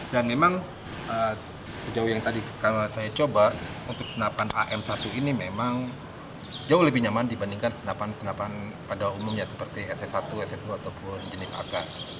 dan memang sejauh yang tadi saya coba untuk senapan am satu ini memang jauh lebih nyaman dibandingkan senapan senapan pada umumnya seperti ss satu ss dua ataupun jenis ak